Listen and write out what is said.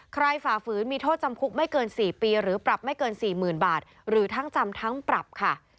ฝ่าฝืนมีโทษจำคุกไม่เกิน๔ปีหรือปรับไม่เกิน๔๐๐๐บาทหรือทั้งจำทั้งปรับค่ะ